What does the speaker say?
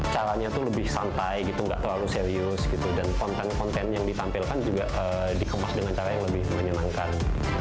caranya tuh lebih santai gitu nggak terlalu serius gitu dan konten konten yang ditampilkan juga dikemas dengan cara yang lebih menyenangkan